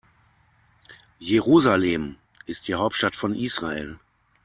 Jerusalem ist die Hauptstadt von Israel.